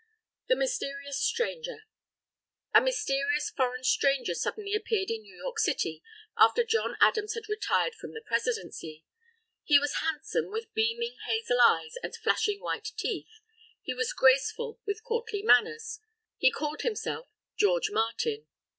THE MYSTERIOUS STRANGER A mysterious foreign stranger suddenly appeared in New York City, after John Adams had retired from the presidency. He was handsome, with beaming hazel eyes and flashing white teeth. He was graceful, with courtly manners. He called himself George Martin.